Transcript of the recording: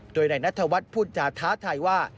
โดยในนัทธวัฒน์พุทธจะท้าทายว่า